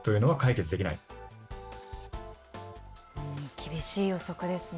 厳しい予測ですね。